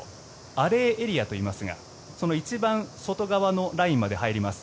アレーエリアといいますがその一番外側のラインまで入ります。